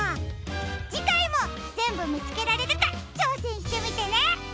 じかいもぜんぶみつけられるかちょうせんしてみてね！